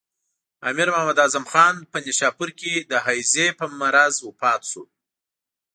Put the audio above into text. امیر محمد اعظم خان په نیشاپور کې د هیضې په مرض وفات شو.